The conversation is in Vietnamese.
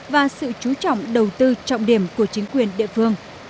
và sự chú trọng đầu tư trọng điểm của chính quyền địa phương